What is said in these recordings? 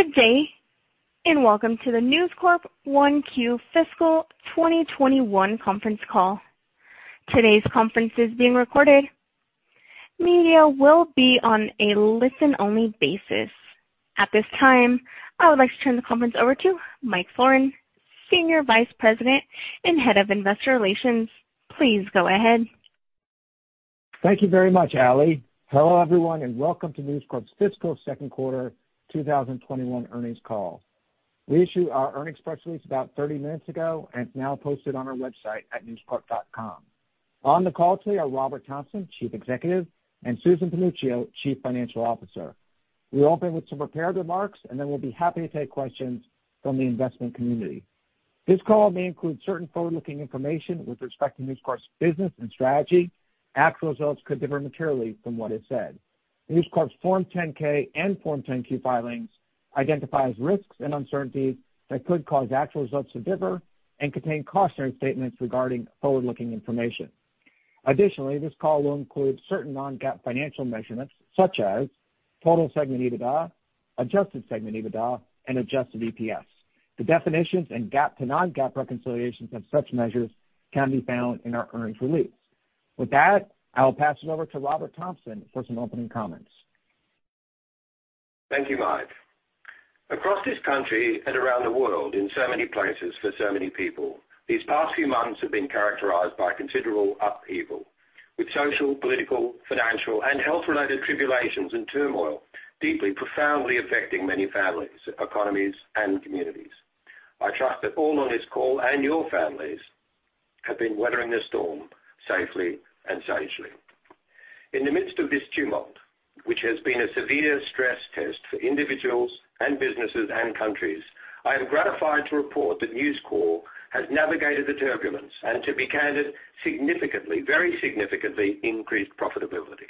Good day, welcome to the News Corp Q2 fiscal 2021 conference call. Today's conference is being recorded. Media will be on a listen-only basis. At this time, I would like to turn the conference over to Mike Florin, Senior Vice President and Head of Investor Relations. Please go ahead. Thank you very much, Ally. Hello, everyone, and welcome to News Corp's fiscal second quarter 2021 earnings call. We issued our earnings press release about 30 minutes ago and it's now posted on our website at newscorp.com. On the call today are Robert Thomson, Chief Executive, and Susan Panuccio, Chief Financial Officer. We'll open with some prepared remarks, and then we'll be happy to take questions from the investment community. This call may include certain forward-looking information with respect to News Corp's business and strategy. Actual results could differ materially from what is said. News Corp's Form 10-K and Form 10-Q filings identify risks and uncertainties that could cause actual results to differ and contain cautionary statements regarding forward-looking information. Additionally, this call will include certain non-GAAP financial measurements, such as total segment EBITDA, adjusted segment EBITDA, and adjusted EPS. The definitions and GAAP to non-GAAP reconciliations of such measures can be found in our earnings release. With that, I will pass it over to Robert Thomson for some opening comments. Thank you, Mike. Across this country and around the world in so many places for so many people, these past few months have been characterized by considerable upheaval, with social, political, financial, and health-related tribulations and turmoil deeply, profoundly affecting many families, economies, and communities. I trust that all on this call and your families have been weathering this storm safely and sagely. In the midst of this tumult, which has been a severe stress test for individuals and businesses and countries, I am gratified to report that News Corp has navigated the turbulence and, to be candid, significantly, very significantly, increased profitability.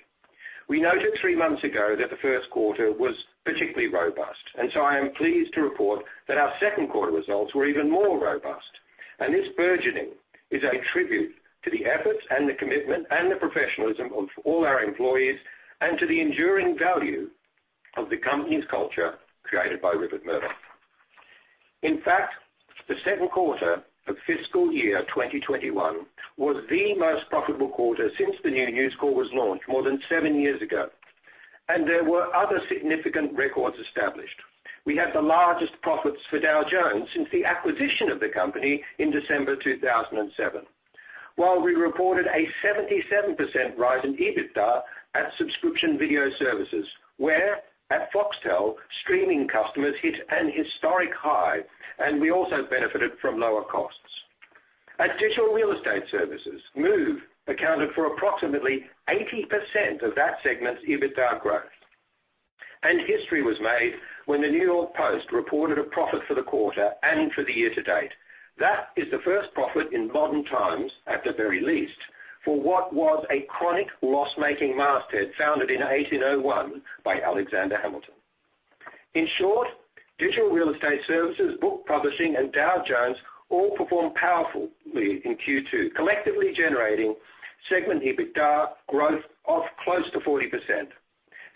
We noted three months ago that the first quarter was particularly robust, and so I am pleased to report that our second quarter results were even more robust. This burgeoning is a tribute to the efforts and the commitment and the professionalism of all our employees and to the enduring value of the company's culture created by Rupert Murdoch. In fact, the second quarter of fiscal year 2021 was the most profitable quarter since the new News Corp was launched more than seven years ago, and there were other significant records established. We had the largest profits for Dow Jones since the acquisition of the company in December 2007. While we reported a 77% rise in EBITDA at Subscription Video Services, where at Foxtel, streaming customers hit an historic high, and we also benefited from lower costs. At Digital Real Estate Services, Move accounted for approximately 80% of that segment's EBITDA growth. History was made when The New York Post reported a profit for the quarter and for the year to date. That is the first profit in modern times, at the very least, for what was a chronic loss-making masthead founded in 1801 by Alexander Hamilton. In short, Digital Real Estate Services, Book Publishing, and Dow Jones all performed powerfully in Q2, collectively generating segment EBITDA growth of close to 40%.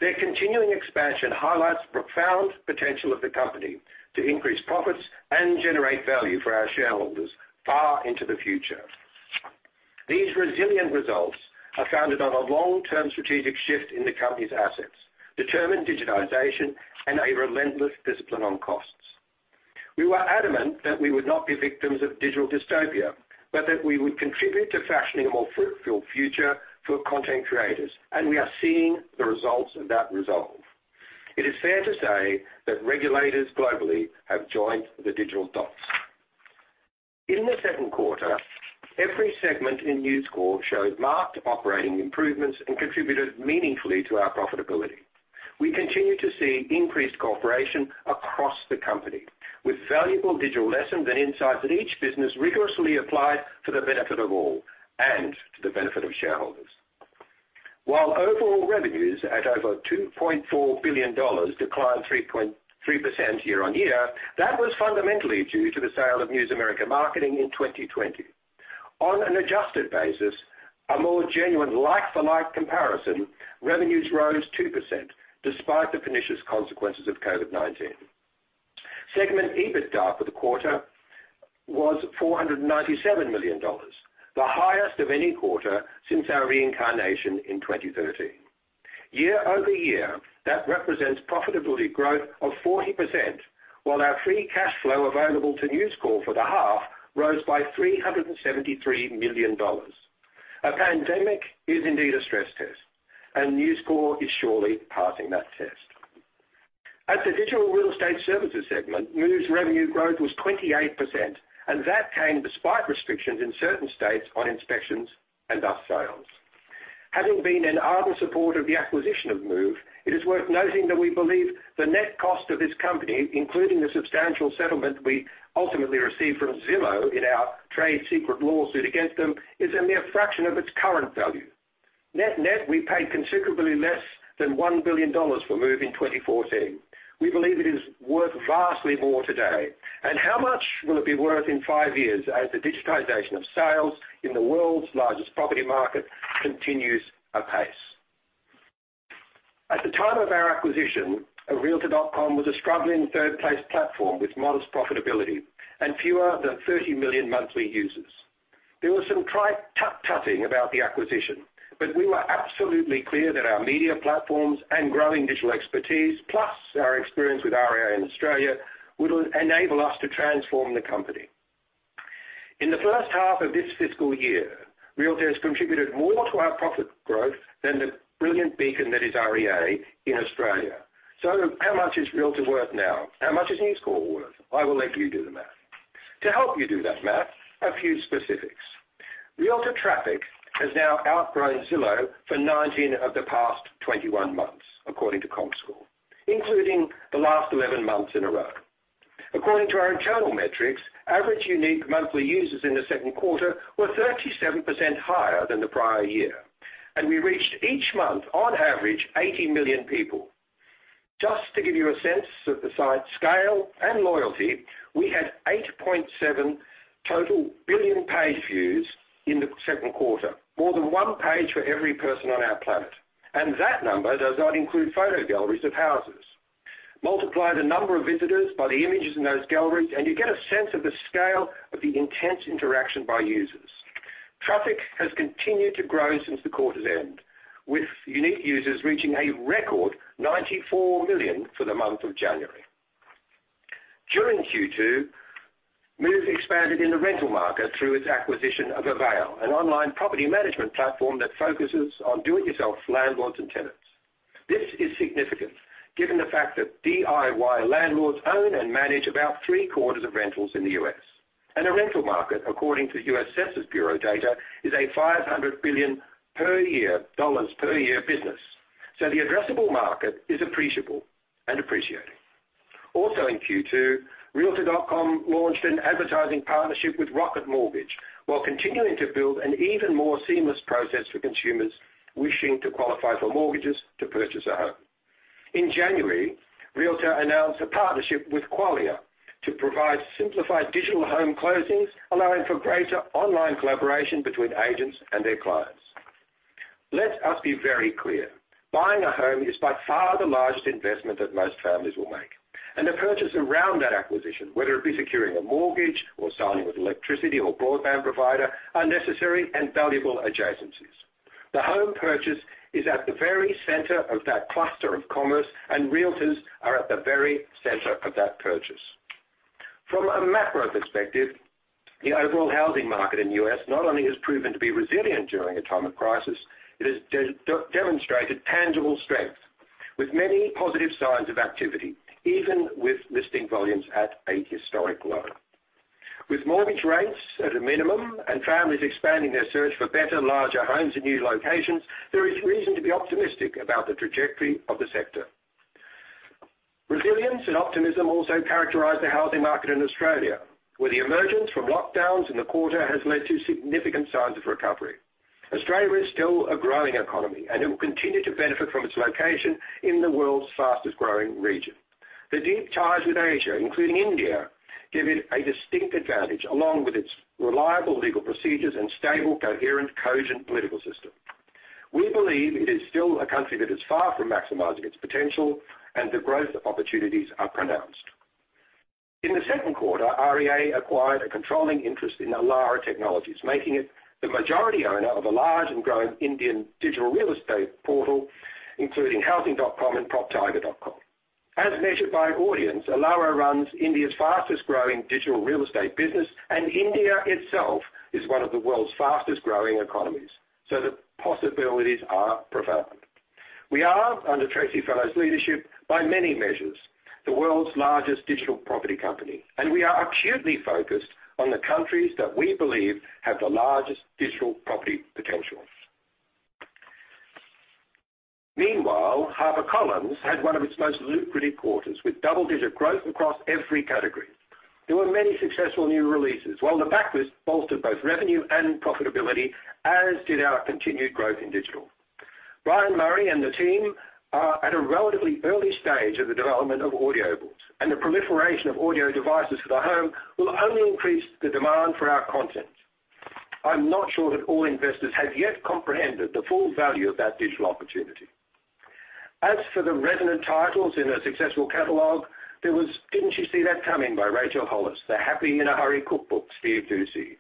Their continuing expansion highlights profound potential of the company to increase profits and generate value for our shareholders far into the future. These resilient results are founded on a long-term strategic shift in the company's assets, determined digitization, and a relentless discipline on costs. We were adamant that we would not be victims of digital dystopia, but that we would contribute to fashioning a more fruitful future for content creators, and we are seeing the results of that resolve. It is fair to say that regulators globally have joined the digital dots. In the second quarter, every segment in News Corp showed marked operating improvements and contributed meaningfully to our profitability. We continue to see increased cooperation across the company, with valuable digital lessons and insights that each business rigorously applied for the benefit of all and to the benefit of shareholders. While overall revenues at over $2.4 billion declined 3.3% year-on-year, that was fundamentally due to the sale of News America Marketing in 2020. On an adjusted basis, a more genuine like-for-like comparison, revenues rose 2% despite the pernicious consequences of COVID-19. Segment EBITDA for the quarter was $497 million, the highest of any quarter since our reincarnation in 2013. Year-over-year, that represents profitability growth of 40%, while our free cash flow available to News Corp for the half rose by $373 million. A pandemic is indeed a stress test. News Corp is surely passing that test. At the Digital Real Estate Services segment, News revenue growth was 28%, and that came despite restrictions in certain states on inspections and thus sales. Having been an ardent supporter of the acquisition of Move, it is worth noting that we believe the net cost of this company, including the substantial settlement we ultimately received from Zillow in our trade secret lawsuit against them, is a mere fraction of its current value. Net-net, we paid considerably less than $1 billion for Move in 2014. We believe it is worth vastly more today. How much will it be worth in 5 years as the digitization of sales in the world's largest property market continues apace? At the time of our acquisition, realtor.com was a struggling third-place platform with modest profitability and fewer than 30 million monthly users. There was some tut-tutting about the acquisition. We were absolutely clear that our media platforms and growing digital expertise, plus our experience with REA in Australia, would enable us to transform the company. In the first half of this fiscal year, realtor has contributed more to our profit growth than the brilliant beacon that is REA in Australia. How much is realtor worth now? How much is News Corp worth? I will let you do the math. To help you do that math, a few specifics. Realtor traffic has now outgrown Zillow for 19 of the past 21 months, according to Comscore, including the last 11 months in a row. According to our internal metrics, average unique monthly users in the second quarter were 37% higher than the prior year, and we reached each month, on average, 80 million people. Just to give you a sense of the site's scale and loyalty, we had 8.7 total billion page views in the second quarter, more than one page for every person on our planet. That number does not include photo galleries of houses. Multiply the number of visitors by the images in those galleries, and you get a sense of the scale of the intense interaction by users. Traffic has continued to grow since the quarter's end, with unique users reaching a record 94 million for the month of January. During Q2, Move expanded in the rental market through its acquisition of Avail, an online property management platform that focuses on do-it-yourself landlords and tenants. This is significant given the fact that DIY landlords own and manage about three-quarters of rentals in the U.S. The rental market, according to U.S. Census Bureau data, is a $500 billion per year business. The addressable market is appreciable and appreciating. In Q2, Realtor.com launched an advertising partnership with Rocket Mortgage while continuing to build an even more seamless process for consumers wishing to qualify for mortgages to purchase a home. In January, Realtor announced a partnership with Qualia to provide simplified digital home closings, allowing for greater online collaboration between agents and their clients. Let us be very clear. Buying a home is by far the largest investment that most families will make. The purchase around that acquisition, whether it be securing a mortgage or signing with an electricity or broadband provider, are necessary and valuable adjacencies. The home purchase is at the very center of that cluster of commerce, and realtors are at the very center of that purchase. From a macro perspective, the overall housing market in the U.S. not only has proven to be resilient during a time of crisis, it has demonstrated tangible strength with many positive signs of activity, even with listing volumes at a historic low. With mortgage rates at a minimum and families expanding their search for better, larger homes and new locations, there is reason to be optimistic about the trajectory of the sector. Resilience and optimism also characterize the housing market in Australia, where the emergence from lockdowns in the quarter has led to significant signs of recovery. Australia is still a growing economy. It will continue to benefit from its location in the world's fastest-growing region. The deep ties with Asia, including India, give it a distinct advantage, along with its reliable legal procedures and stable, coherent, cogent political system. We believe it is still a country that is far from maximizing its potential. The growth opportunities are pronounced. In the second quarter, REA acquired a controlling interest in Elara Technologies, making it the majority owner of a large and growing Indian digital real estate portal, including Housing.com and PropTiger.com. As measured by audience, Elara runs India's fastest-growing digital real estate business. India itself is one of the world's fastest-growing economies. The possibilities are profound. We are, under Tracey Fellows' leadership, by many measures, the world's largest digital property company, and we are acutely focused on the countries that we believe have the largest digital property potential. Meanwhile, HarperCollins had one of its most lucrative quarters, with double-digit growth across every category. There were many successful new releases, while the backlist bolstered both revenue and profitability, as did our continued growth in digital. Brian Murray and the team are at a relatively early stage of the development of audiobooks, and the proliferation of audio devices for the home will only increase the demand for our content. I'm not sure that all investors have yet comprehended the full value of that digital opportunity. As for the resonant titles in their successful catalog, there was "Didn't See That Coming" by Rachel Hollis, "The Happy in a Hurry Cookbook," Steve Doocy,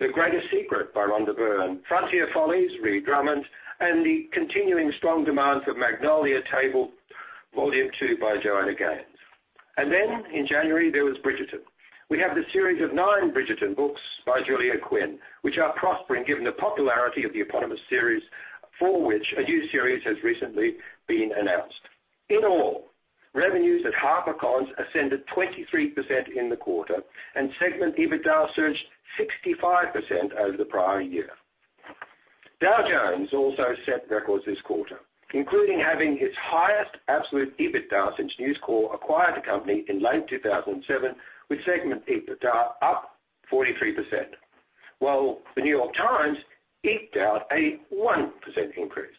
"The Greatest Secret" by Rhonda Byrne, "Frontier Follies," Ree Drummond, and the continuing strong demand for "Magnolia Table, Volume 2" by Joanna Gaines. Then in January, there was Bridgerton. We have the series of nine Bridgerton books by Julia Quinn, which are prospering given the popularity of the eponymous series, for which a new series has recently been announced. In all, revenues at HarperCollins ascended 23% in the quarter, and segment EBITDA surged 65% over the prior year. Dow Jones also set records this quarter, including having its highest absolute EBITDA since News Corp acquired the company in late 2007, with segment EBITDA up 43%, while The New York Times eked out a 1% increase.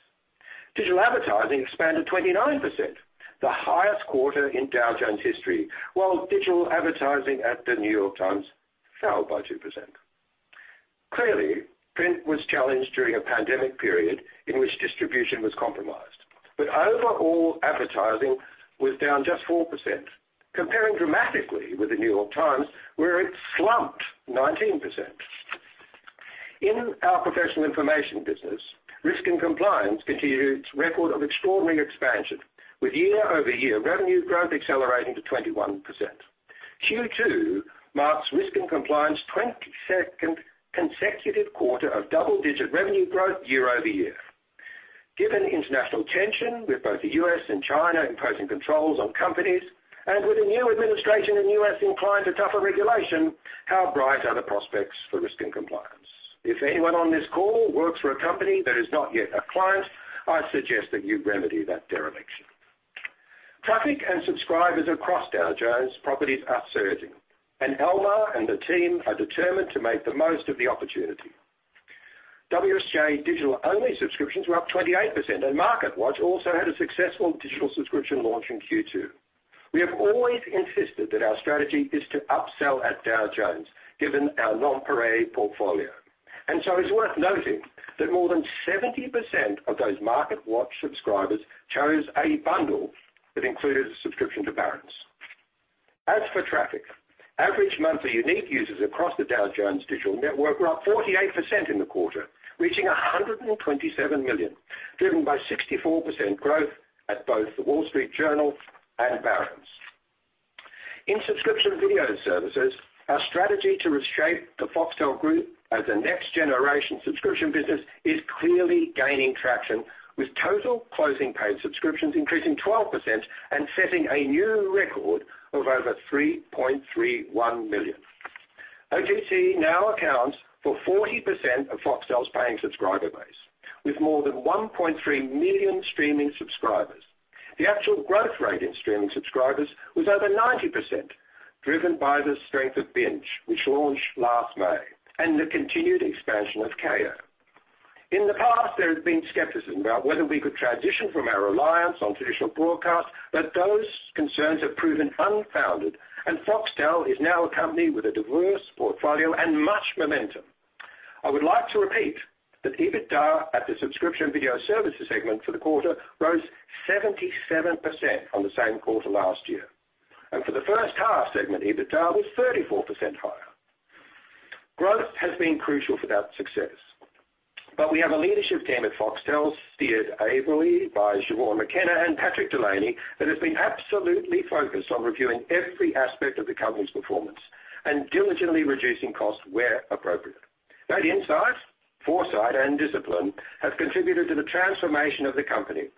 Digital advertising expanded 29%, the highest quarter in Dow Jones history, while digital advertising at The New York Times fell by 2%. Clearly, print was challenged during a pandemic period in which distribution was compromised. Overall advertising was down just 4%, comparing dramatically with The New York Times, where it slumped 19%. In our professional information business, Risk & Compliance continued its record of extraordinary expansion with year-over-year revenue growth accelerating to 21%. Q2 marks Risk & Compliance's 22nd consecutive quarter of double-digit revenue growth year-over-year. Given international tension with both the U.S. and China imposing controls on companies, and with the new administration in the U.S. inclined to tougher regulation, how bright are the prospects for Risk & Compliance? If anyone on this call works for a company that is not yet a client, I suggest that you remedy that dereliction. Traffic and subscribers across Dow Jones properties are surging. Almar Latour and the team are determined to make the most of the opportunity. WSJ digital-only subscriptions were up 28%. MarketWatch also had a successful digital subscription launch in Q2. We have always insisted that our strategy is to upsell at Dow Jones, given our non-pareil portfolio. It's worth noting that more than 70% of those MarketWatch subscribers chose a bundle that includes a subscription to Barron's. As for traffic, average monthly unique users across the Dow Jones digital network were up 48% in the quarter, reaching 127 million, driven by 64% growth at both The Wall Street Journal and Barron's. In Subscription Video Services, our strategy to reshape the Foxtel Group as a next-generation subscription business is clearly gaining traction, with total closing paid subscriptions increasing 12% and setting a new record of over 3.31 million. OTT now accounts for 40% of Foxtel's paying subscriber base, with more than 1.3 million streaming subscribers. The actual growth rate in streaming subscribers was over 90%, driven by the strength of BINGE, which launched last May, and the continued expansion of Kayo. In the past, there has been skepticism about whether we could transition from our reliance on traditional broadcast, but those concerns have proven unfounded, and Foxtel is now a company with a diverse portfolio and much momentum. I would like to repeat that EBITDA at the Subscription Video Services segment for the quarter rose 77% on the same quarter last year. For the first half segment, EBITDA was 34% higher. Growth has been crucial for that success. We have a leadership team at Foxtel steered ably by Siobhan McKenna and Patrick Delany that has been absolutely focused on reviewing every aspect of the company's performance and diligently reducing costs where appropriate. That insight, foresight, and discipline have contributed to the transformation of the company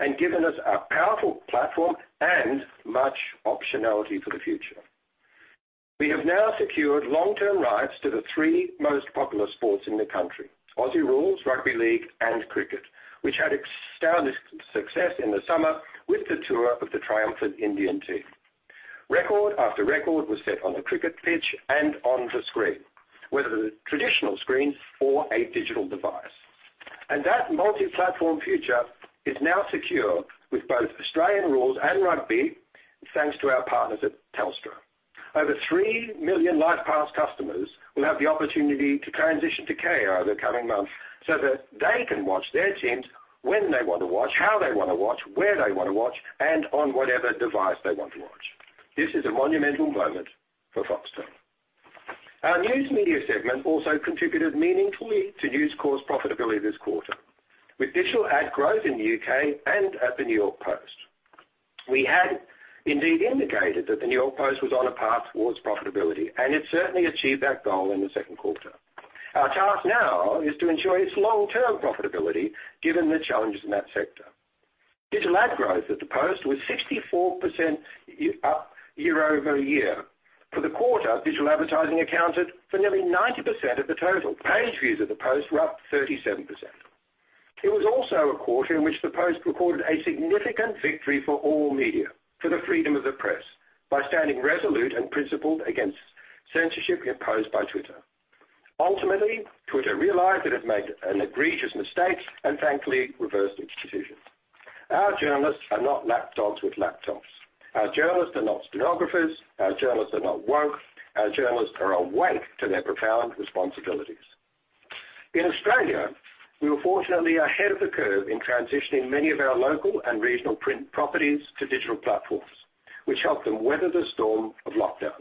and given us a powerful platform and much optionality for the future. We have now secured long-term rights to the three most popular sports in the country, Aussie Rules, Rugby League, and Cricket, which had outstanding success in the summer with the tour of the triumphant Indian team. Record after record was set on the cricket pitch and on the screen, whether the traditional screen or a digital device. That multi-platform future is now secure with both Australian Rules and Rugby, thanks to our partners at Telstra. Over 3 million Live Pass customers will have the opportunity to transition to Kayo over the coming months so that they can watch their teams when they want to watch, how they want to watch, where they want to watch, and on whatever device they want to watch. This is a monumental moment for Foxtel. Our news media segment also contributed meaningfully to News Corp's profitability this quarter. With digital ad growth in the U.K. and at the New York Post, we had indeed indicated that the New York Post was on a path towards profitability. It certainly achieved that goal in the second quarter. Our task now is to ensure its long-term profitability given the challenges in that sector. Digital ad growth at the Post was 64% up year-over-year. For the quarter, digital advertising accounted for nearly 90% of the total. Page views of the Post were up 37%. It was also a quarter in which the Post recorded a significant victory for all media, for the freedom of the press, by standing resolute and principled against censorship imposed by Twitter. Ultimately, Twitter realized it had made an egregious mistake and thankfully reversed its decision. Our journalists are not lapdogs with laptops. Our journalists are not stenographers. Our journalists are not woke. Our journalists are awake to their profound responsibilities. In Australia, we were fortunately ahead of the curve in transitioning many of our local and regional print properties to digital platforms, which helped them weather the storm of lockdown.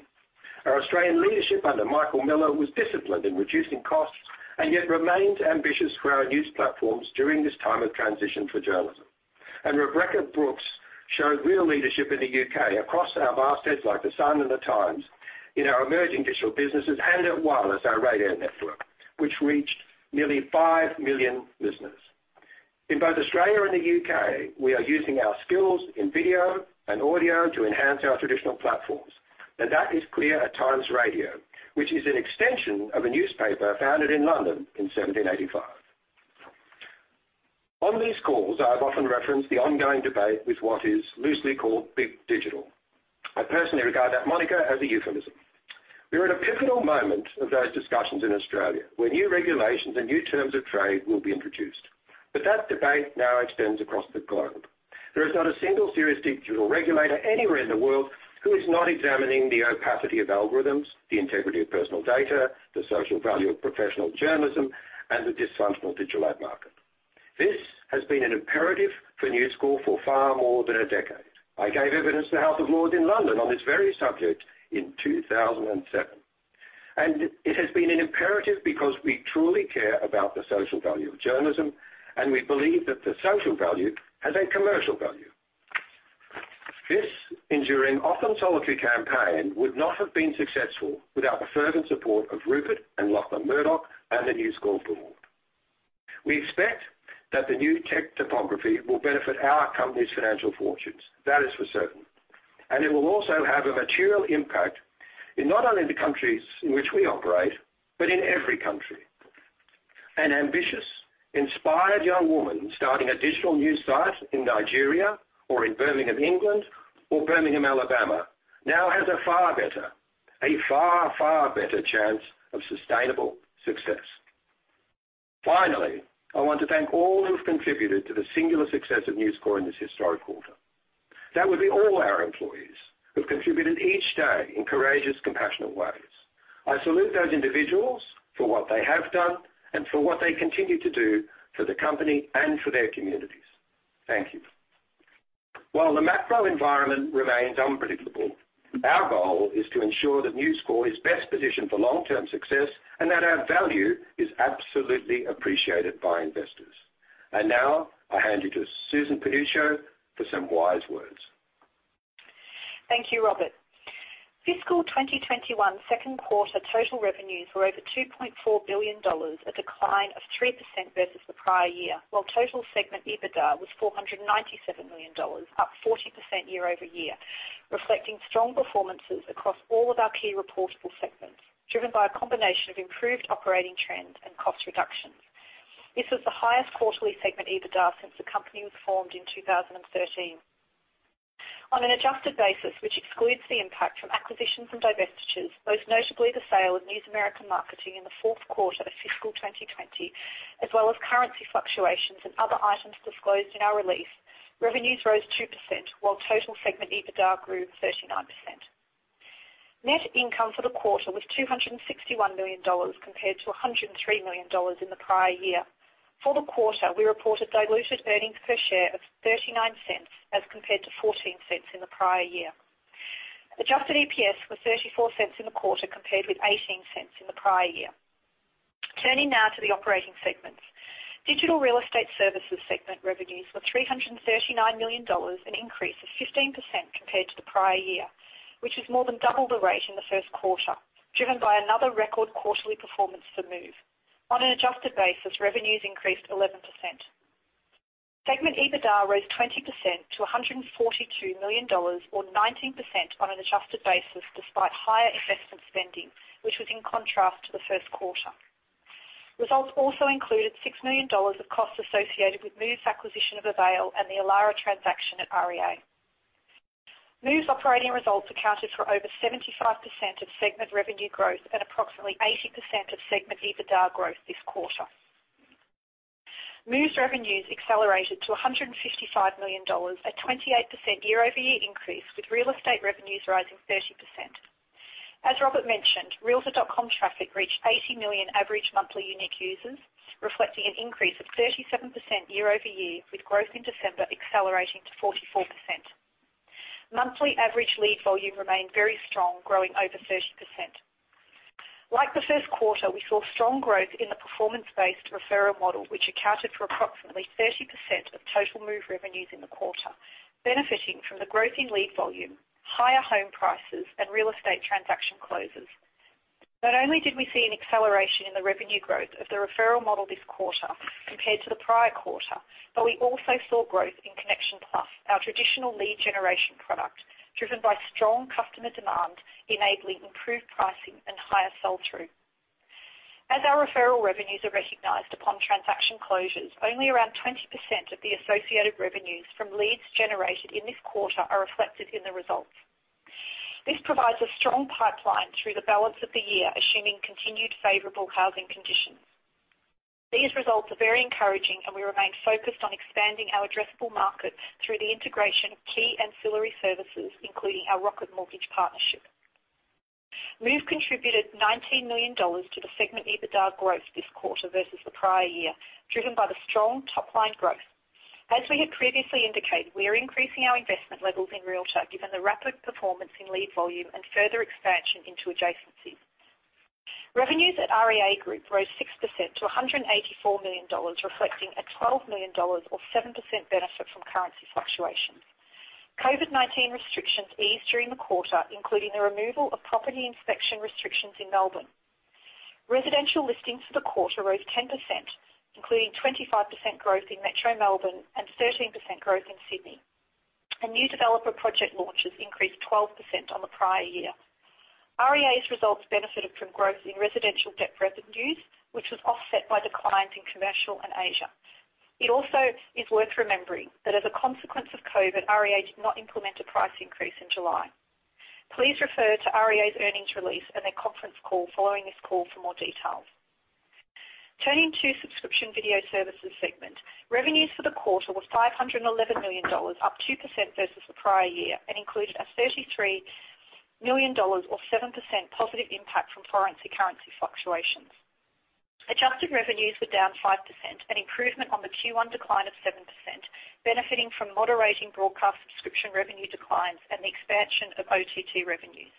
Our Australian leadership under Michael Miller was disciplined in reducing costs and yet remained ambitious for our news platforms during this time of transition for journalism. Rebekah Brooks showed real leadership in the U.K. across our mastheads like The Sun and The Times, in our emerging digital businesses, and at Wireless, our radio network, which reached nearly 5 million listeners. In both Australia and the U.K., we are using our skills in video and audio to enhance our traditional platforms. That is clear at Times Radio, which is an extension of a newspaper founded in London in 1785. On these calls, I've often referenced the ongoing debate with what is loosely called Big Digital. I personally regard that moniker as a euphemism. We're at a pivotal moment of those discussions in Australia, where new regulations and new terms of trade will be introduced. That debate now extends across the globe. There is not a single serious digital regulator anywhere in the world who is not examining the opacity of algorithms, the integrity of personal data, the social value of professional journalism, and the dysfunctional digital ad market. This has been an imperative for News Corp for far more than a decade. I gave evidence to the House of Lords in London on this very subject in 2007. It has been an imperative because we truly care about the social value of journalism, and we believe that the social value has a commercial value. This enduring, often solitary campaign would not have been successful without the fervent support of Rupert and Lachlan Murdoch and the News Corp board. We expect that the new tech topography will benefit our company's financial fortunes. That is for certain. It will also have a material impact in not only the countries in which we operate, but in every country. An ambitious, inspired young woman starting a digital news site in Nigeria or in Birmingham, England or Birmingham, Alabama now has a far better, a far, far better chance of sustainable success. Finally, I want to thank all who've contributed to the singular success of News Corp in this historic quarter. That would be all our employees who've contributed each day in courageous, compassionate ways. I salute those individuals for what they have done and for what they continue to do for the company and for their communities. Thank you. While the macro environment remains unpredictable, our goal is to ensure that News Corp is best positioned for long-term success and that our value is absolutely appreciated by investors. Now I hand you to Susan Panuccio for some wise words. Thank you, Robert. Fiscal 2021 second quarter total revenues were over $2.4 billion, a decline of 3% versus the prior year, while total segment EBITDA was $497 million, up 40% year-over-year, reflecting strong performances across all of our key reportable segments, driven by a combination of improved operating trends and cost reductions. This was the highest quarterly segment EBITDA since the company was formed in 2013. On an adjusted basis, which excludes the impact from acquisitions and divestitures, most notably the sale of News America Marketing in the fourth quarter of fiscal 2020, as well as currency fluctuations and other items disclosed in our release, revenues rose 2%, while total segment EBITDA grew 39%. Net income for the quarter was $261 million, compared to $103 million in the prior year. For the quarter, we reported diluted earnings per share of $0.39 as compared to $0.14 in the prior year. Adjusted EPS was $0.34 in the quarter, compared with $0.18 in the prior year. Turning now to the operating segments. Digital Real Estate Services segment revenues were $339 million, an increase of 15% compared to the prior year, which is more than double the rate in the first quarter, driven by another record quarterly performance for Move. On an adjusted basis, revenues increased 11%. Segment EBITDA rose 20% to $142 million, or 19% on an adjusted basis despite higher investment spending, which was in contrast to the first quarter. Results also included $6 million of costs associated with Move's acquisition of Avail and the Elara transaction at REA. Move's operating results accounted for over 75% of segment revenue growth and approximately 80% of segment EBITDA growth this quarter. Move's revenues accelerated to $155 million, a 28% year-over-year increase, with real estate revenues rising 30%. As Robert mentioned, realtor.com traffic reached 80 million average monthly unique users, reflecting an increase of 37% year-over-year, with growth in December accelerating to 44%. Monthly average lead volume remained very strong, growing over 30%. Like the first quarter, we saw strong growth in the performance-based referral model, which accounted for approximately 30% of total Move revenues in the quarter, benefiting from the growth in lead volume, higher home prices, and real estate transaction closures. Not only did we see an acceleration in the revenue growth of the referral model this quarter compared to the prior quarter, but we also saw growth in Connections Plus, our traditional lead generation product, driven by strong customer demand enabling improved pricing and higher sell-through. As our referral revenues are recognized upon transaction closures, only around 20% of the associated revenues from leads generated in this quarter are reflected in the results. This provides a strong pipeline through the balance of the year, assuming continued favorable housing conditions. These results are very encouraging, and we remain focused on expanding our addressable market through the integration of key ancillary services, including our Rocket Mortgage partnership. Move contributed $19 million to the segment EBITDA growth this quarter versus the prior year, driven by the strong top-line growth. As we had previously indicated, we are increasing our investment levels in Realtor.com given the rapid performance in lead volume and further expansion into adjacencies. Revenues at REA Group rose 6% to $184 million, reflecting a $12 million or 7% benefit from currency fluctuations. COVID-19 restrictions eased during the quarter, including the removal of property inspection restrictions in Melbourne. Residential listings for the quarter rose 10%, including 25% growth in Metro Melbourne and 13% growth in Sydney. New developer project launches increased 12% on the prior year. REA's results benefited from growth in residential depth revenues, which was offset by declines in commercial and Asia. It also is worth remembering that as a consequence of COVID-19, REA did not implement a price increase in July. Please refer to REA's earnings release and their conference call following this call for more details. Turning to Subscription Video Services segment. Revenues for the quarter were $511 million, up 2% versus the prior year, and includes a $33 million or 7% positive impact from foreign currency fluctuations. Adjusted revenues were down 5%, an improvement on the Q1 decline of 7%, benefiting from moderating broadcast subscription revenue declines and the expansion of OTT revenues.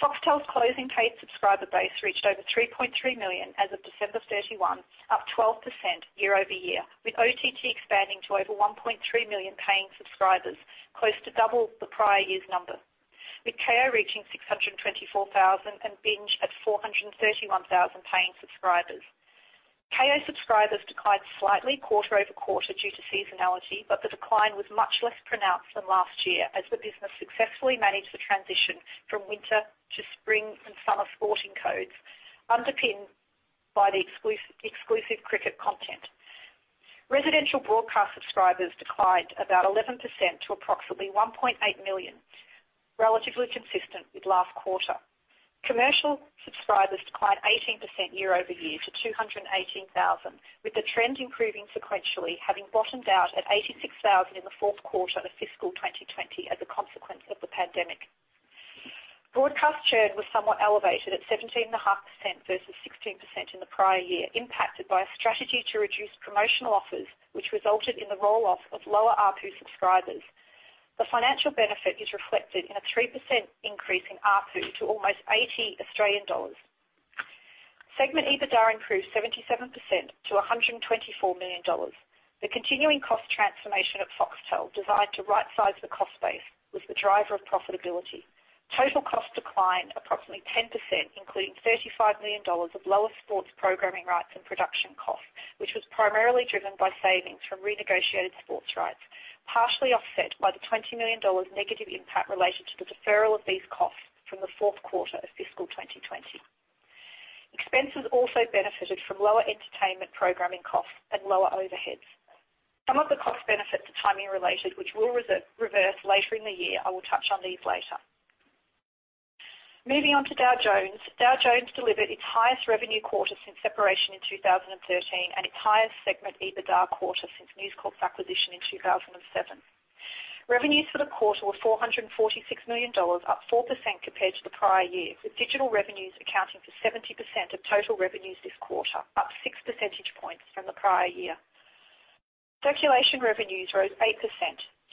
Foxtel's closing paid subscriber base reached over 3.3 million as of December 31, up 12% year-over-year, with OTT expanding to over 1.3 million paying subscribers, close to double the prior year's number, with Kayo reaching 624,000 and BINGE at 431,000 paying subscribers. Kayo subscribers declined slightly quarter-over-quarter due to seasonality, but the decline was much less pronounced than last year as the business successfully managed the transition from winter to spring and summer sporting codes, underpinned by the exclusive cricket content. Residential broadcast subscribers declined about 11% to approximately 1.8 million, relatively consistent with last quarter. Commercial subscribers declined 18% year-over-year to 218,000, with the trend improving sequentially, having bottomed out at 86,000 in the fourth quarter of fiscal 2020 as a consequence of the pandemic. Broadcast churn was somewhat elevated at 17.5% versus 16% in the prior year, impacted by a strategy to reduce promotional offers, which resulted in the roll-off of lower ARPU subscribers. The financial benefit is reflected in a 3% increase in ARPU to almost AU$80. Segment EBITDA improved 77% to $124 million. The continuing cost transformation at Foxtel, designed to rightsize the cost base, was the driver of profitability. Total costs declined approximately 10%, including $35 million of lower sports programming rights and production costs, which was primarily driven by savings from renegotiated sports rights, partially offset by the $20 million negative impact related to the deferral of these costs from the fourth quarter of fiscal 2020. Expenses also benefited from lower entertainment programming costs and lower overheads. Some of the cost benefits are timing related, which will reverse later in the year. I will touch on these later. Moving on to Dow Jones. Dow Jones delivered its highest revenue quarter since separation in 2013 and its highest segment EBITDA quarter since News Corp's acquisition in 2007. Revenues for the quarter were $446 million, up 4% compared to the prior year, with digital revenues accounting for 70% of total revenues this quarter, up six percentage points from the prior year. Circulation revenues rose 8%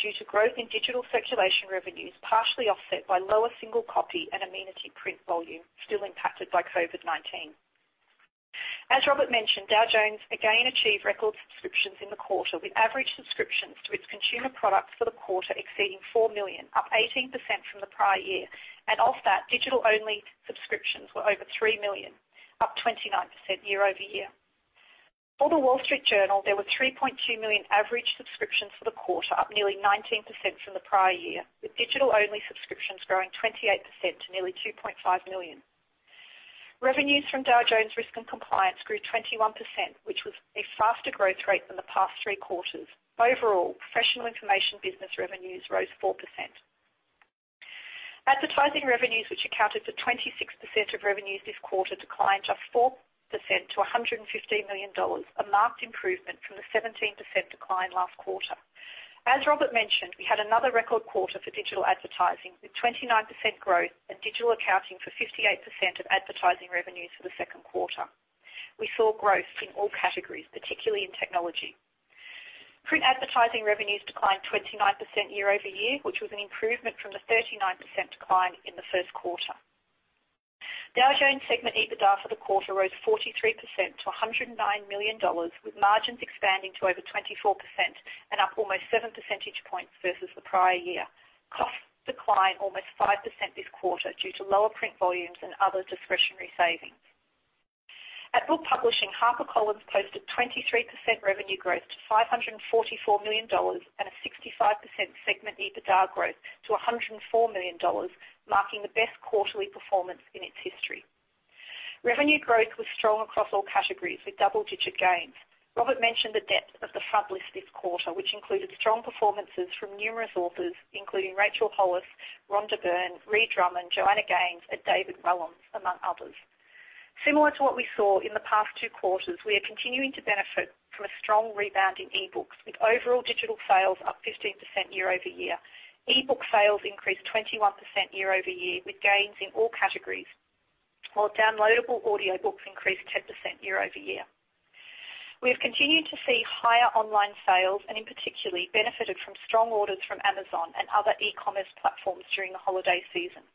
due to growth in digital circulation revenues, partially offset by lower single copy and amenity print volume, still impacted by COVID-19. As Robert mentioned, Dow Jones again achieved record subscriptions in the quarter, with average subscriptions to its consumer products for the quarter exceeding 4 million, up 18% from the prior year. Of that, digital-only subscriptions were over 3 million, up 29% year-over-year. For The Wall Street Journal, there were 3.2 million average subscriptions for the quarter, up nearly 19% from the prior year, with digital-only subscriptions growing 28% to nearly 2.5 million. Revenues from Dow Jones Risk & Compliance grew 21%, which was a faster growth rate than the past three quarters. Overall, professional information business revenues rose 4%. Advertising revenues, which accounted for 26% of revenues this quarter, declined just 4% to $115 million, a marked improvement from the 17% decline last quarter. As Robert mentioned, we had another record quarter for digital advertising, with 29% growth and digital accounting for 58% of advertising revenues for the second quarter. We saw growth in all categories, particularly in technology. Print advertising revenues declined 29% year-over-year, which was an improvement from the 39% decline in the first quarter. Dow Jones segment EBITDA for the quarter rose 43% to $109 million, with margins expanding to over 24% and up almost seven percentage points versus the prior year. Costs declined almost 5% this quarter due to lower print volumes and other discretionary savings. At Book Publishing, HarperCollins posted 23% revenue growth to $544 million and a 65% segment EBITDA growth to $104 million, marking the best quarterly performance in its history. Revenue growth was strong across all categories with double-digit gains. Robert mentioned the depth of the frontlist this quarter, which included strong performances from numerous authors, including Rachel Hollis, Rhonda Byrne, Ree Drummond, Joanna Gaines, and David Walliams, among others. Similar to what we saw in the past two quarters, we are continuing to benefit from a strong rebound in e-books, with overall digital sales up 15% year-over-year. E-book sales increased 21% year-over-year, with gains in all categories, while downloadable audiobooks increased 10% year-over-year. We have continued to see higher online sales and in particular, benefited from strong orders from Amazon and other e-commerce platforms during the holiday season.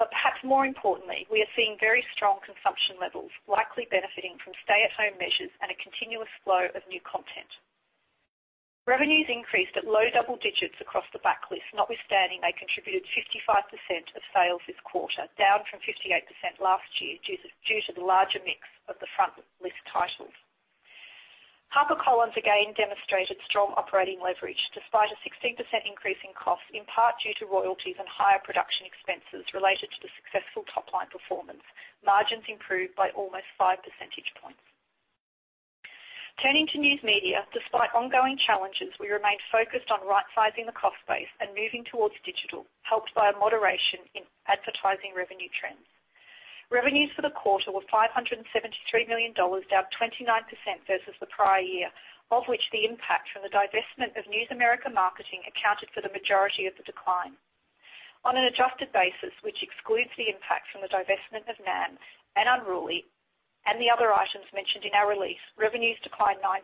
Perhaps more importantly, we are seeing very strong consumption levels, likely benefiting from stay-at-home measures and a continuous flow of new content. Revenues increased at low double digits across the backlist, notwithstanding they contributed 55% of sales this quarter, down from 58% last year due to the larger mix of the frontlist titles. HarperCollins again demonstrated strong operating leverage despite a 16% increase in cost, in part due to royalties and higher production expenses related to the successful top-line performance. Margins improved by almost five percentage points. Turning to News Media, despite ongoing challenges, we remain focused on rightsizing the cost base and moving towards digital, helped by a moderation in advertising revenue trends. Revenues for the quarter were $573 million, down 29% versus the prior year, of which the impact from the divestment of News America Marketing accounted for the majority of the decline. On an adjusted basis, which excludes the impact from the divestment of NAM and Unruly and the other items mentioned in our release, revenues declined 9%,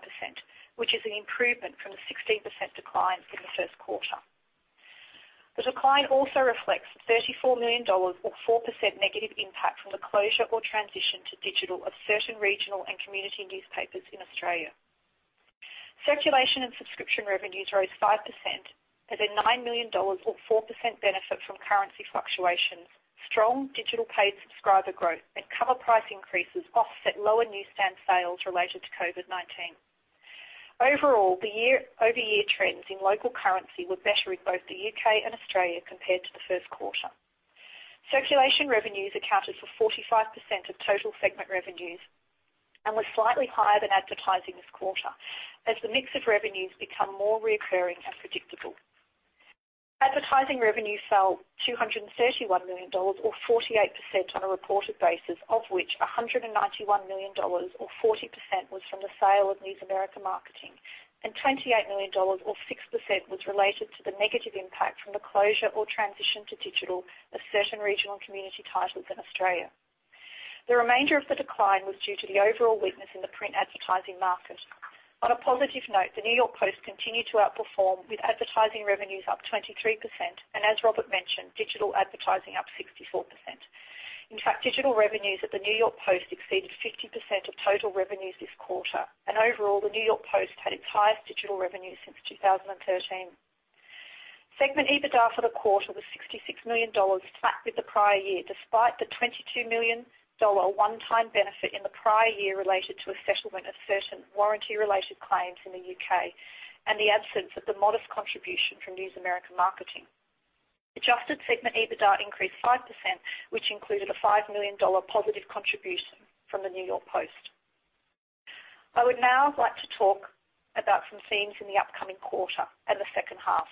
which is an improvement from the 16% declines in the first quarter. The decline also reflects $34 million, or 4% negative impact from the closure or transition to digital of certain regional and community newspapers in Australia. Circulation and subscription revenues rose 5% as a $9 million or 4% benefit from currency fluctuations. Strong digital paid subscriber growth and cover price increases offset lower newsstand sales related to COVID-19. Overall, the year-over-year trends in local currency were better in both the U.K. and Australia compared to the first quarter. Circulation revenues accounted for 45% of total segment revenues and were slightly higher than advertising this quarter as the mix of revenues become more reoccurring and predictable. Advertising revenues fell $231 million or 48% on a reported basis, of which $191 million or 40% was from the sale of News America Marketing, and $28 million or 6% was related to the negative impact from the closure or transition to digital of certain regional and community titles in Australia. The remainder of the decline was due to the overall weakness in the print advertising market. On a positive note, the New York Post continued to outperform with advertising revenues up 23%, and as Robert mentioned, digital advertising up 64%. In fact, digital revenues at the New York Post exceeded 50% of total revenues this quarter. Overall, the New York Post had its highest digital revenue since 2013. Segment EBITDA for the quarter was $66 million, flat with the prior year despite the $22 million one-time benefit in the prior year related to a settlement of certain warranty-related claims in the U.K. and the absence of the modest contribution from News America Marketing. Adjusted segment EBITDA increased 5%, which included a $5 million positive contribution from the New York Post. I would now like to talk about some themes in the upcoming quarter and the second half.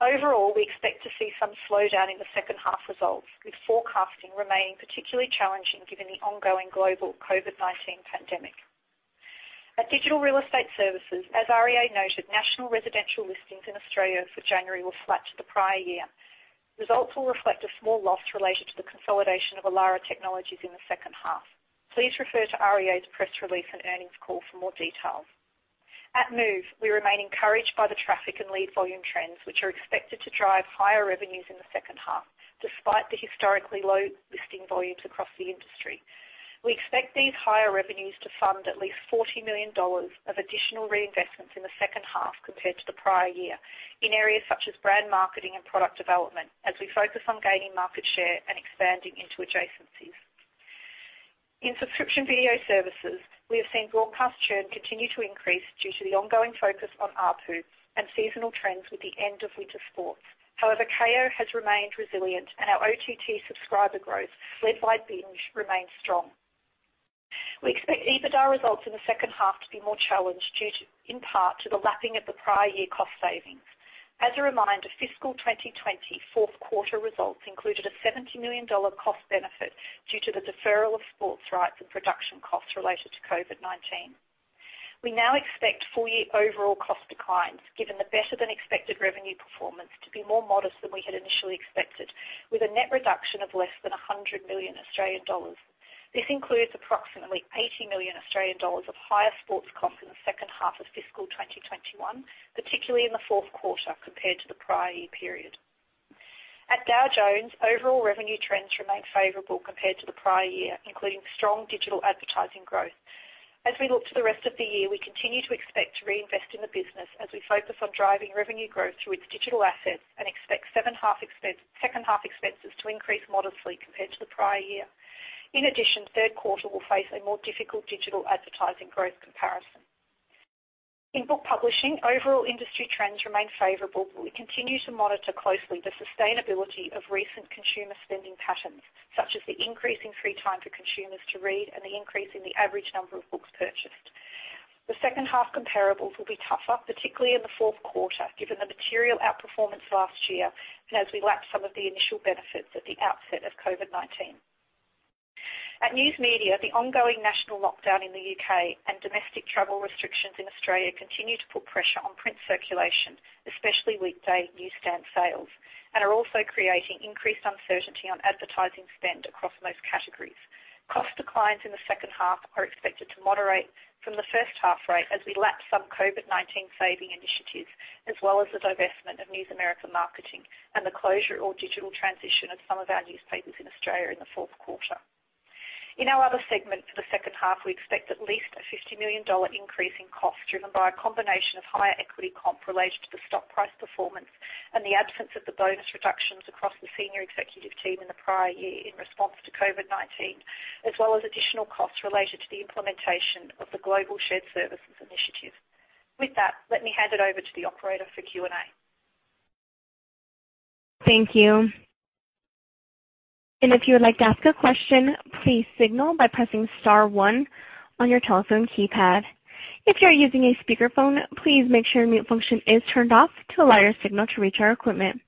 Overall, we expect to see some slowdown in the second half results, with forecasting remaining particularly challenging given the ongoing global COVID-19 pandemic. At Digital Real Estate Services, as REA noted, national residential listings in Australia for January were flat to the prior year. Results will reflect a small loss related to the consolidation of Elara Technologies in the second half. Please refer to REA's press release and earnings call for more details. At Move, we remain encouraged by the traffic and lead volume trends, which are expected to drive higher revenues in the second half despite the historically low listing volumes across the industry. We expect these higher revenues to fund at least $40 million of additional reinvestments in the second half compared to the prior year in areas such as brand marketing and product development as we focus on gaining market share and expanding into adjacencies. In Subscription Video Services, we have seen broadcast churn continue to increase due to the ongoing focus on ARPU and seasonal trends with the end of winter sports. However, Kayo has remained resilient, and our OTT subscriber growth, led by BINGE, remains strong. We expect EBITDA results in the second half to be more challenged due in part to the lapping of the prior year cost savings. As a reminder, fiscal 2020 fourth quarter results included a $70 million cost benefit due to the deferral of sports rights and production costs related to COVID-19. We now expect full-year overall cost declines, given the better-than-expected revenue performance to be more modest than we had initially expected, with a net reduction of less than 100 million Australian dollars. This includes approximately 80 million Australian dollars of higher sports costs in the second half of fiscal 2021, particularly in the fourth quarter compared to the prior year period. At Dow Jones, overall revenue trends remain favorable compared to the prior year, including strong digital advertising growth. As we look to the rest of the year, we continue to expect to reinvest in the business as we focus on driving revenue growth through its digital assets and expect second half expenses to increase modestly compared to the prior year. In addition, third quarter will face a more difficult digital advertising growth comparison. In Book Publishing, overall industry trends remain favorable. We continue to monitor closely the sustainability of recent consumer spending patterns, such as the increasing free time for consumers to read and the increase in the average number of books purchased. The second half comparables will be tougher, particularly in the fourth quarter, given the material outperformance last year and as we lap some of the initial benefits at the outset of COVID-19. At News Media, the ongoing national lockdown in the U.K. and domestic travel restrictions in Australia continue to put pressure on print circulation, especially weekday newsstand sales, and are also creating increased uncertainty on advertising spend across most categories. Cost declines in the second half are expected to moderate from the first half rate as we lap some COVID-19 saving initiatives, as well as the divestment of News America Marketing and the closure or digital transition of some of our newspapers in Australia in the fourth quarter. In our other segment for the second half, we expect at least a $50 million increase in costs driven by a combination of higher equity comp related to the stock price performance and the absence of the bonus reductions across the senior executive team in the prior year in response to COVID-19, as well as additional costs related to the implementation of the Global Shared Services initiative. With that, let me hand it over to the operator for Q&A. Thank you. And if you would like to ask a question, please signal by pressing star one on your telephone keypad. If you are using a speakerphone, please make sure mute function is turned off to allow your signal to reach our equipment.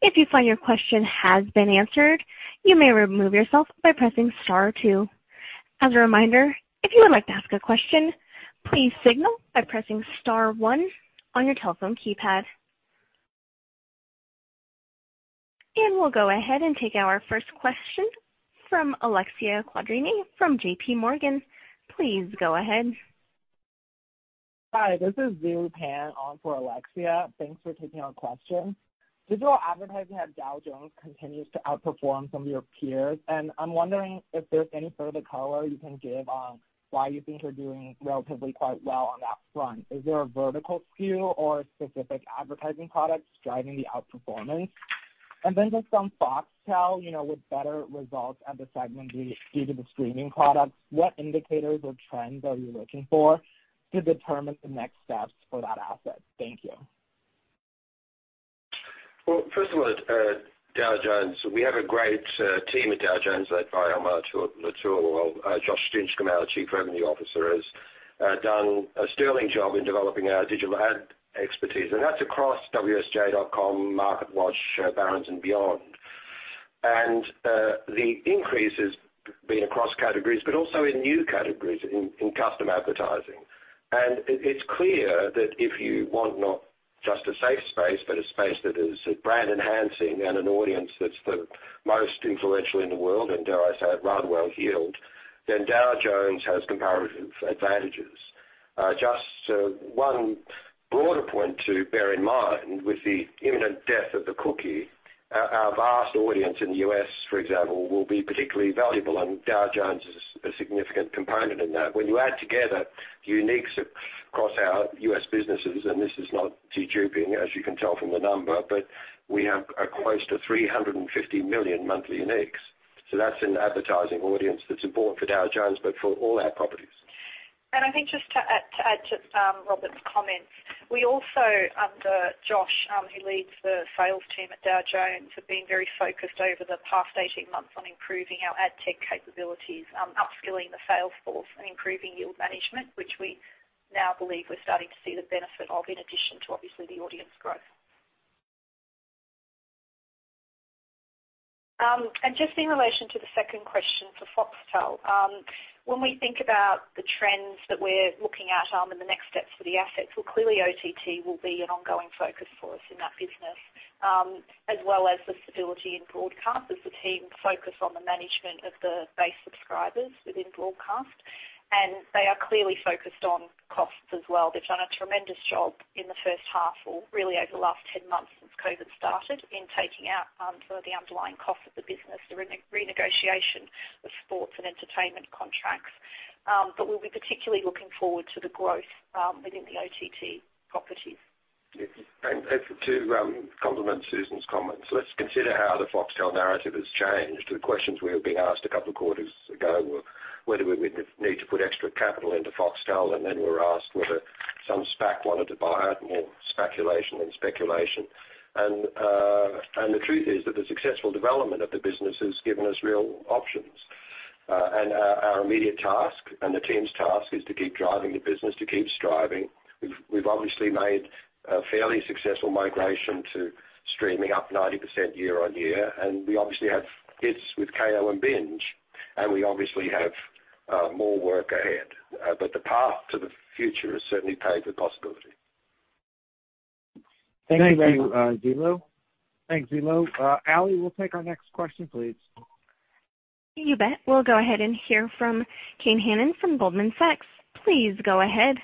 If you find your question has been answered, you may remove yourself by pressing star two. As a reminder, if you would like to ask a question, please signal by pressing star one on your telephone keypad. And we'll go ahead and take our first question from Alexia Quadrani from JPMorgan. Please go ahead. Hi, this is Zilu Pan on for Alexia. Thanks for taking our question. Digital advertising at Dow Jones continues to outperform some of your peers, and I'm wondering if there's any further color you can give on why you think you're doing relatively quite well on that front. Is there a vertical SKU or specific advertising products driving the outperformance? Then just on Foxtel, with better results at the segment due to the streaming products, what indicators or trends are you looking for to determine the next steps for that asset? Thank you. Well, first of all, at Dow Jones, we have a great team at Dow Jones led by Almar Latour. Well, Josh Stinchcomb, our Chief Revenue Officer, has done a sterling job in developing our digital ad expertise, and that's across wsj.com, MarketWatch, Barron's, and beyond. The increase has been across categories, but also in new categories in custom advertising. It's clear that if you want not just a safe space, but a space that is brand enhancing and an audience that's the most influential in the world, and dare I say it, rather well-heeled, then Dow Jones has comparative advantages. Just one broader point to bear in mind with the imminent death of the cookie, our vast audience in the U.S., for example, will be particularly valuable, and Dow Jones is a significant component in that. When you add together the uniques across our U.S. businesses, and this is not deduping, as you can tell from the number, but we have close to 350 million monthly uniques. That's an advertising audience that's important for Dow Jones, but for all our properties. I think just to add to Robert's comments, we also, under Josh, who leads the sales team at Dow Jones, have been very focused over the past 18 months on improving our ad tech capabilities, upskilling the sales force, and improving yield management, which we now believe we're starting to see the benefit of, in addition to obviously the audience growth. Just in relation to the second question for Foxtel, when we think about the trends that we're looking at and the next steps for the assets, well, clearly OTT will be an ongoing focus for us in that business, as well as the stability in broadcast as the team focus on the management of the base subscribers within broadcast. They are clearly focused on costs as well. They've done a tremendous job in the first half, or really over the last 10 months since COVID started, in taking out some of the underlying costs of the business, the renegotiation of sports and entertainment contracts. We'll be particularly looking forward to the growth within the OTT properties. To complement Susan's comments, let's consider how the Foxtel narrative has changed. The questions we were being asked a couple of quarters ago were whether we would need to put extra capital into Foxtel, then we were asked whether some SPAC wanted to buy it, more speculation and speculation. The truth is that the successful development of the business has given us real options. Our immediate task and the team's task is to keep driving the business, to keep striving. We've obviously made a fairly successful migration to streaming, up 90% year-on-year, we obviously have hits with Kayo and BINGE, we obviously have more work ahead. The path to the future is certainly paved with possibility. Thank you. Thank you, Zilu. Thanks, Zilu. Ally, we'll take our next question, please. You bet. We'll go ahead and hear from Kane Hannan from Goldman Sachs. Please go ahead.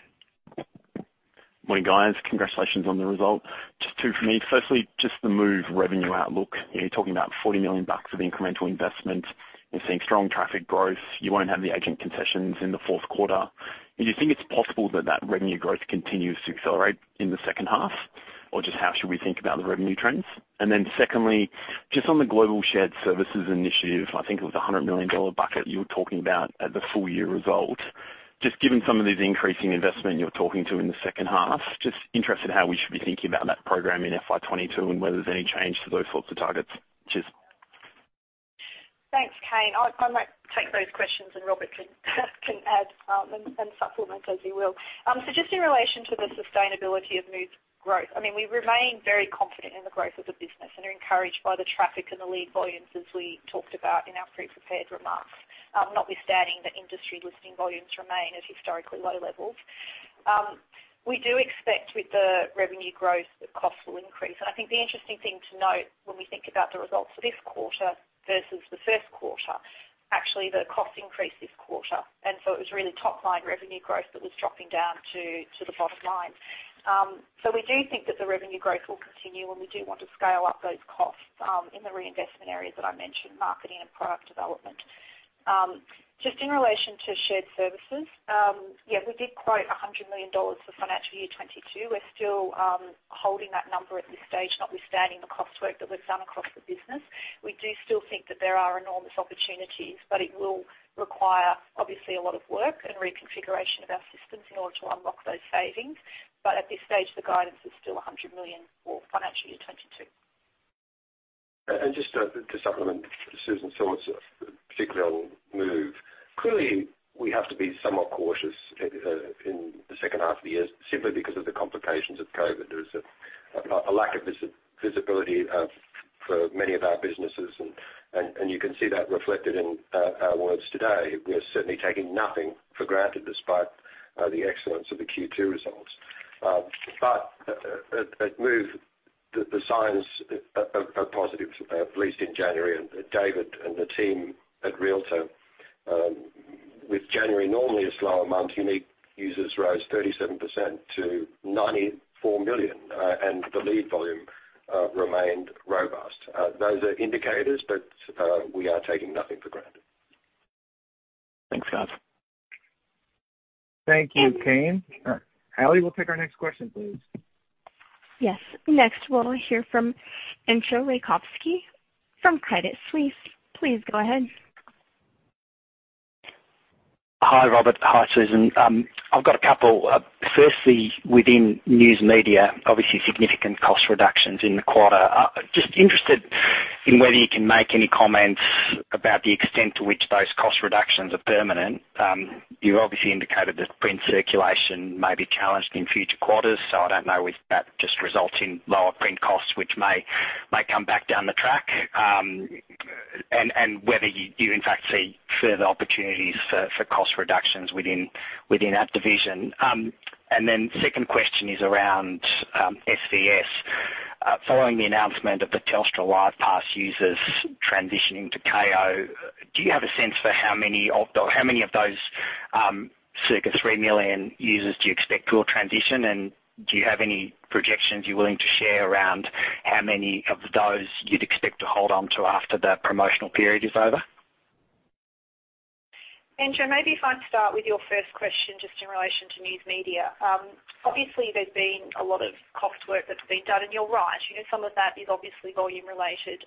Morning, guys. Congratulations on the result. Just two from me. Firstly, just the Move revenue outlook. You're talking about $40 million of incremental investment. You're seeing strong traffic growth. You won't have the agent concessions in the fourth quarter. Do you think it's possible that that revenue growth continues to accelerate in the second half? Just how should we think about the revenue trends? Secondly, just on the Global Shared Services initiative, I think it was the $100 million bucket you were talking about at the full-year result. Just given some of this increasing investment you're talking to in the second half, just interested how we should be thinking about that program in FY 2022 and whether there's any change to those sorts of targets. Cheers. Thanks, Kane. I might take those questions. Robert can add and supplement as he will. Just in relation to the sustainability of Move's growth, we remain very confident in the growth of the business and are encouraged by the traffic and the lead volumes as we talked about in our pre-prepared remarks, notwithstanding that industry listing volumes remain at historically low levels. We do expect with the revenue growth that costs will increase. I think the interesting thing to note when we think about the results for this quarter versus the first quarter, actually the cost increased this quarter. It was really top-line revenue growth that was dropping down to the bottom line. We do think that the revenue growth will continue, and we do want to scale up those costs in the reinvestment areas that I mentioned, marketing and product development. Just in relation to shared services, we did quote $100 million for FY 2022. We're still holding that number at this stage, notwithstanding the cost work that we've done across the business. We do still think that there are enormous opportunities. It will require, obviously, a lot of work and reconfiguration of our systems in order to unlock those savings. At this stage, the guidance is still $100 million for FY 2022. Just to supplement Susan's thoughts, particularly on Move, clearly we have to be somewhat cautious in the second half of the year simply because of the complications of COVID. There is a lack of visibility for many of our businesses, and you can see that reflected in our words today. We are certainly taking nothing for granted despite the excellence of the Q2 results. At Move, the signs are positive, at least in January. David and the team at realtor.com, with January normally a slow month, unique users rose 37% to 94 million, and the lead volume remained robust. Those are indicators, we are taking nothing for granted. Thanks, guys. Thank you, Kane. Ally, we'll take our next question, please. Yes. Next, we'll hear from Entcho Raykovski from Credit Suisse. Please go ahead. Hi, Robert. Hi, Susan. I've got a couple. Within News Media, obviously significant cost reductions in the quarter. Just interested in whether you can make any comments about the extent to which those cost reductions are permanent. You obviously indicated that print circulation may be challenged in future quarters. I don't know if that just results in lower print costs, which may come back down the track. Whether you in fact see further opportunities for cost reductions within that division. Second question is around SVS. Following the announcement of the Telstra Live Pass users transitioning to Kayo, do you have a sense for how many of those circa three million users do you expect will transition? Do you have any projections you're willing to share around how many of those you'd expect to hold on to after the promotional period is over? Entcho, maybe if I start with your first question, just in relation to News Media. Obviously, there's been a lot of cost work that's been done, and you're right. Some of that is obviously volume-related,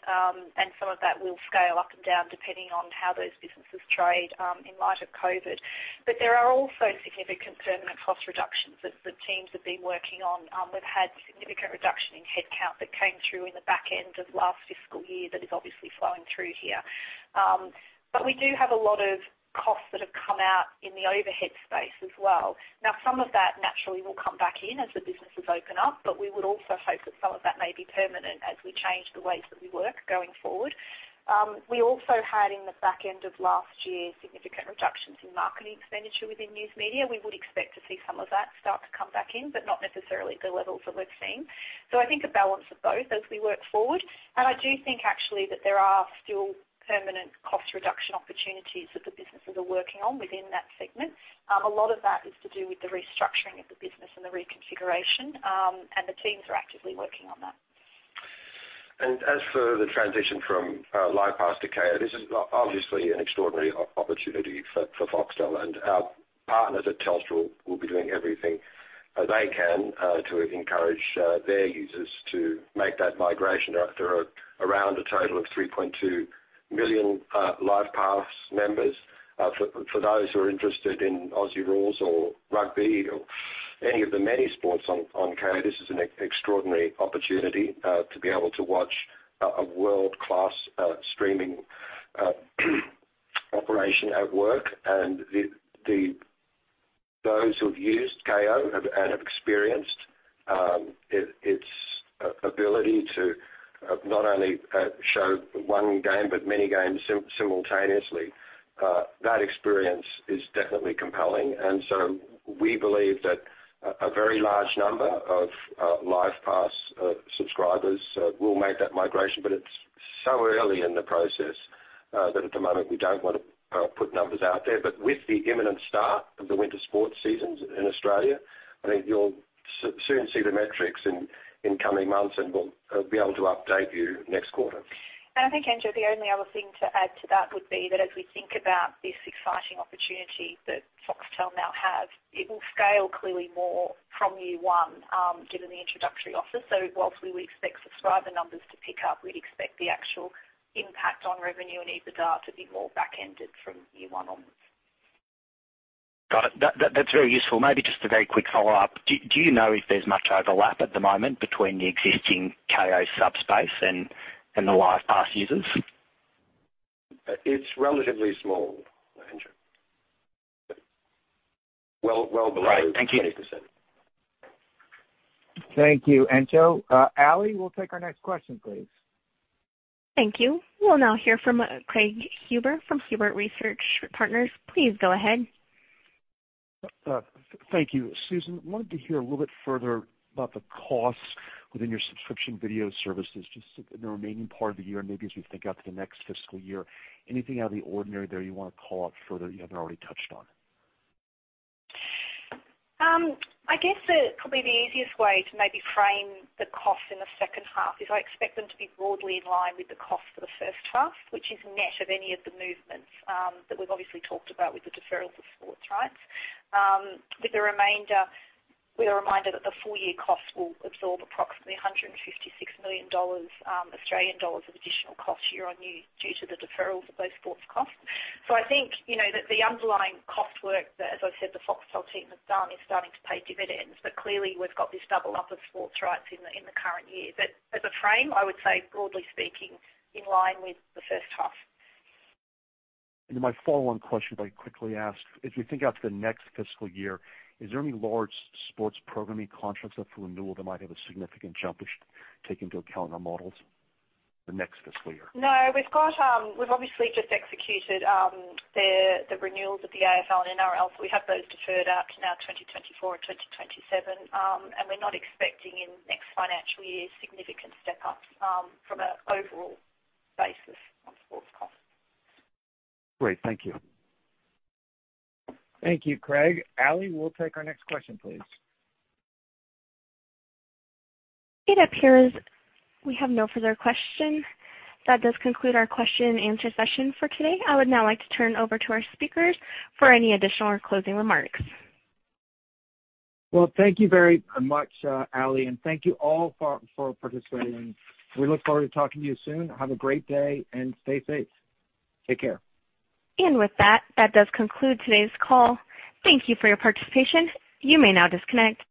and some of that will scale up and down depending on how those businesses trade in light of COVID. There are also significant permanent cost reductions that the teams have been working on. We've had significant reduction in headcount that came through in the back end of last fiscal year that is obviously flowing through here. We do have a lot of costs that have come out in the overhead space as well. Some of that naturally will come back in as the businesses open up, but we would also hope that some of that may be permanent as we change the ways that we work going forward. We also had, in the back end of last year, significant reductions in marketing expenditure within News Media. We would expect to see some of that start to come back in, but not necessarily at the levels that we've seen. I think a balance of both as we work forward, and I do think actually that there are still permanent cost reduction opportunities that the businesses are working on within that segment. A lot of that is to do with the restructuring of the business and the reconfiguration, and the teams are actively working on that. As for the transition from Live Pass to Kayo, this is obviously an extraordinary opportunity for Foxtel, and our partners at Telstra will be doing everything they can to encourage their users to make that migration. There are around a total of 3.2 million Live Pass members. For those who are interested in Aussie rules or rugby or any of the many sports on Kayo, this is an extraordinary opportunity to be able to watch a world-class streaming operation at work. Those who've used Kayo and have experienced its ability to not only show one game but many games simultaneously, that experience is definitely compelling. We believe that a very large number of Live Pass subscribers will make that migration. It's so early in the process that at the moment, we don't want to put numbers out there. With the imminent start of the winter sports seasons in Australia, I think you'll soon see the metrics in coming months, and we'll be able to update you next quarter. I think, Entcho, the only other thing to add to that would be that as we think about this exciting opportunity that Foxtel now have, it will scale clearly more from year one, given the introductory offer. Whilst we would expect subscriber numbers to pick up, we'd expect the actual impact on revenue and EBITDA to be more back-ended from year one onwards. Got it. That's very useful. Maybe just a very quick follow-up. Do you know if there's much overlap at the moment between the existing Kayo subscriber base and the Live Pass users? It's relatively small, Entcho. Well below- Right. Thank you. 20%. Thank you, Entcho. Ally, we'll take our next question, please. Thank you. We'll now hear from Craig Huber from Huber Research Partners. Please go ahead. Thank you. Susan, wanted to hear a little bit further about the costs within your Subscription Video Services, just in the remaining part of the year and maybe as we think out to the next fiscal year. Anything out of the ordinary there you want to call out further that you haven't already touched on? I guess probably the easiest way to maybe frame the costs in the second half is I expect them to be broadly in line with the costs for the first half, which is net of any of the movements that we've obviously talked about with the deferrals of sports rights. With the remainder, we are reminded that the full-year cost will absorb approximately 156 million Australian dollars of additional cost year-over-year due to the deferrals of those sports costs. I think that the underlying cost work that, as I said, the Foxtel team has done is starting to pay dividends. Clearly, we've got this double-up of sports rights in the current year. As a frame, I would say, broadly speaking, in line with the first half. My follow-on question I'd like to quickly ask, as we think out to the next fiscal year, is there any large sports programming contracts up for renewal that might have a significant jump we should take into account in our models for next fiscal year? No. We've obviously just executed the renewals of the AFL and NRL. We have those deferred out to now 2024 and 2027. We're not expecting in the next financial year a significant step-up from an overall basis on sports costs. Great. Thank you. Thank you, Craig. Ally, we'll take our next question, please. It appears we have no further questions. That does conclude our question and answer session for today. I would now like to turn over to our speakers for any additional or closing remarks. Well, thank you very much, Ally, and thank you all for participating. We look forward to talking to you soon. Have a great day, and stay safe. Take care. With that does conclude today's call. Thank you for your participation. You may now disconnect.